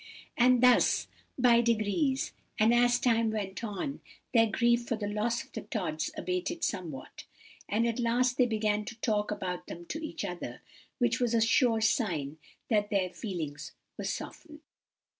And thus, by degrees, and as time went on, their grief for the loss of the Tods abated somewhat; and at last they began to talk about them to each other, which was a sure sign that their feelings were softened.